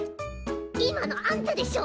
今のあんたでしょ！？